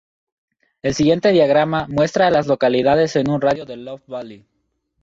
El siguiente diagrama muestra a las localidades en un radio de de Love Valley.